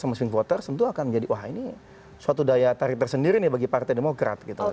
sama swing voters tentu akan menjadi wah ini suatu daya tarik tersendiri nih bagi partai demokrat gitu